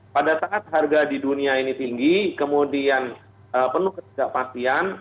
pada saat harga di dunia ini tinggi kemudian penuh ketidakpastian